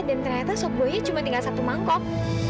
dan ternyata sop buahnya cuma tinggal satu mangkok